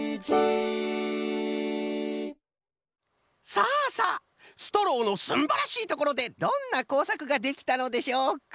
さあさあストローのすんばらしいところでどんなこうさくができたのでしょうか？